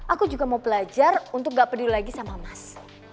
aku juga mau belajar untuk gak peduli lagi sama mas